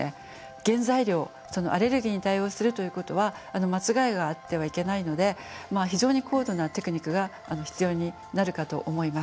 原材料アレルギーに対応するということは間違いがあってはいけないので非常に高度なテクニックが必要になるかと思います。